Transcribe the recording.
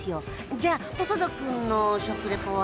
じゃあ細田君の食レポは？